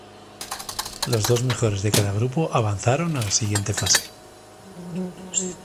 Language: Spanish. Los dos mejores de cada grupo avanzaron a la siguiente fase.